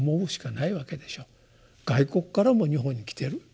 外国からも日本に来てる。